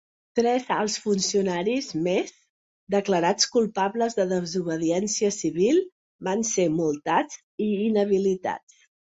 Tres alts funcionaris més declarats culpables de desobediència civil van ser multats i inhabilitats.